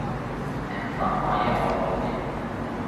انسانهای آغازین